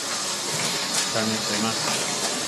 Kámi achema.